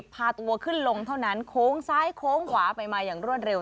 พาตัวขึ้นลงเท่านั้นโค้งซ้ายโค้งขวาไปมาอย่างรวดเร็